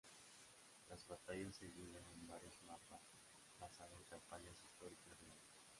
Las batallas se libran en varios mapas basados en campañas históricas reales.